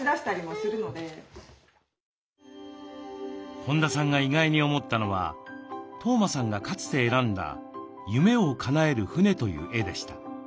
本田さんが意外に思ったのは統真さんがかつて選んだ「夢を叶える船」という絵でした。